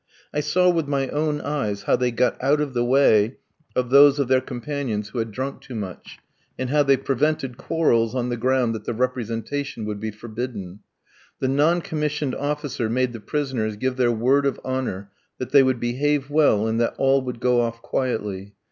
I saw with my own eyes how they got out of the way of those of their companions who had drunk too much, and how they prevented quarrels on the ground that the representation would be forbidden. The non commissioned officer made the prisoners give their word of honour that they would behave well, and that all would go off quietly.